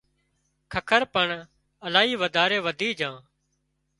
ککر پڻ الاهي وڌاري وڌِي جھان